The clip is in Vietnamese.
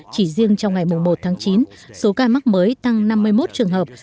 chỉ riêng trong ngày một tháng chín số ca mắc mới tăng năm mươi một trường hợp